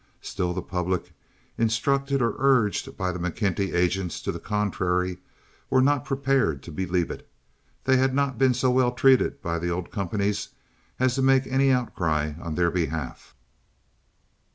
Still the public, instructed or urged by the McKenty agents to the contrary, were not prepared to believe it. They had not been so well treated by the old companies as to make any outcry on their behalf.